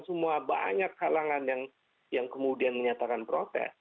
semua banyak halangan yang kemudian menyatakan protes